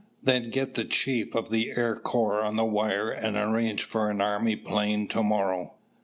Then get the chief of the Air Corps on the wire and arrange for an army plane to morrow.